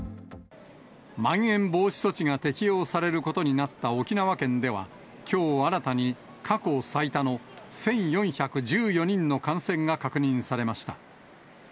まん延防止措置が適用されることになった沖縄県では、きょう新たに過去最多の１４１４人の感染が確認されました。